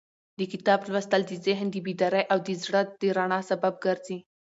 د کتاب لوستل د ذهن د بیدارۍ او د زړه د رڼا سبب ګرځي.